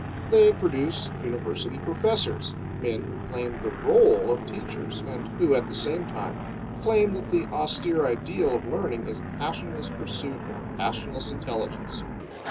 They produce university professors, men who claim the role of teachers, and who at the same time claim that the austere ideal of learning is passionless pursuit of passionless intelligence.